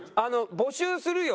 募集するよ！